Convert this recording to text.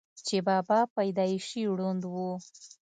چې بابا پېدائشي ړوند وو،